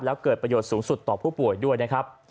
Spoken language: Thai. แล้วเกิดประโยชน์สูงสุดต่อผู้ป่วยด้วยนะครับ